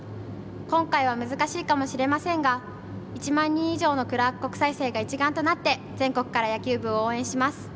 今回は難しいかもしれませんが１万人以上のクラーク国際生が一丸となって全国から野球部を応援します。